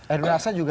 erwin naksa juga